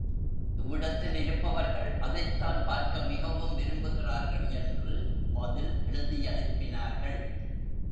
இவ்விடத்திலிருப்பவர்கள் அதைத்தான் பார்க்க மிகவும் விரும்புகிறார்கள் என்று பதில் எழுதியனுப்பினார்கள்.